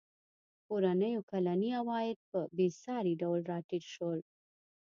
کورنیو کلني عواید په بېساري ډول راټیټ شول.